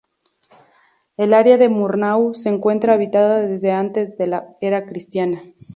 El área de Murnau se encuentra habitada desde antes de la era cristiana.